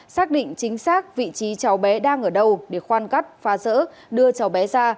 xác định chính xác vị trí cháu bé đang ở đâu để khoan cắt phá rỡ đưa cháu bé ra